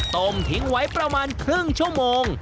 ต้มทิ้งไว้ประมาณครึ่งชั่วโมง